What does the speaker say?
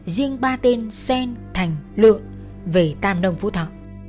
riêng ba tên sen thành lựa về tam đông phú thọ